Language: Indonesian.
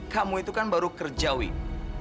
kamu itu kan baru kerja wing